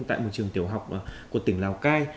tại một trường tiểu học của tỉnh lào cai